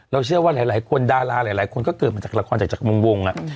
เชื่อว่าหลายคนดาราหลายคนก็เกิดมาจากละครจากวง